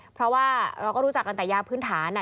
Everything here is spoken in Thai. เพราะว่าเราก็รู้จักกันแต่ยาพื้นฐาน